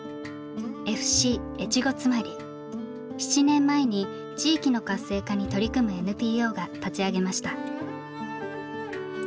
７年前に地域の活性化に取り組むＮＰＯが立ち上げました。